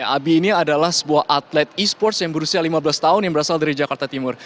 abi ini adalah sebuah atlet e sports yang berusia lima belas tahun yang berasal dari jakarta timur